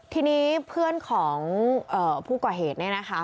ทีนี้เพื่อนของผู้ก่อเหตุเนี่ยนะคะ